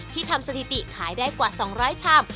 ทำสถิติขายได้กว่า๒๐๐ชาม